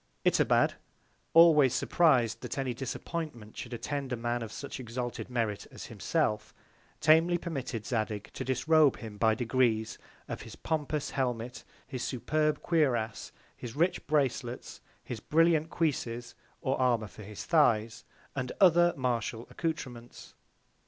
Itobad, always surpriz'd, that any Disappointment should attend a Man of such exalted Merit as himself, very tamely permitted Zadig to disrobe him by Degrees of his pompous Helmet, his superb Cuirass, his rich Bracelets, his brilliant Cuisses, or Armour for his Thighs, and other Martial Accoutrements.